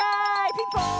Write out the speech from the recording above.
ピンポーン！